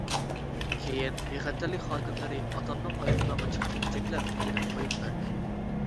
كېيىن، بىخەتەرلىك خادىملىرى ئاتامنىڭ ئايروپىلانغا چىقىشىنى چەكلەپ، مېنى قويۇپ بەردى.